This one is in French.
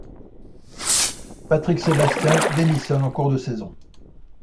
Patrick Sébastien démissionne en cours de saison.